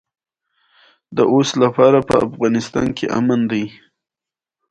ښامار لکه غونډی غونډی کېږي راغی.